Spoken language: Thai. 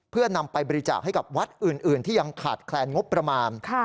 เพื่อนำไปบริจาคให้กับวัดอื่นที่ยังขาดแคลนงบประมาณ